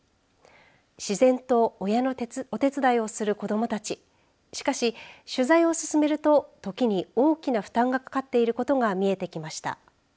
自然と親のお手伝いをする子どもたちしかし取材を進めると時に大きな負担がかかっていることが見えてきました。